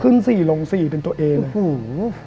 ขึ้น๔ลง๔เป็นตัวเองหือหู้